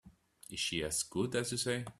Is she as good as you say?